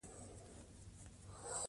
رښتینولي زموږ شعار دی.